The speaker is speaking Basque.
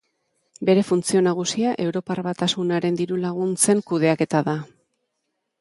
Bere funtzio nagusia Europar Batasunaren diru-laguntzen kudeaketa da.